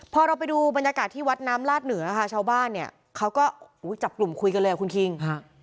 พอเราไปดูบรรยากาศที่วัดน้ำลาดเหนือค่ะชาวบ้านเนี่ยเขาก็จับกลุ่มคุยกันเลยอ่ะคุณคิงฮะ